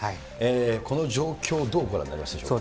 この状況をどうご覧になりますでしょうか。